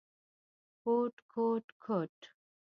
_کوټ، کوټ ، کوټ…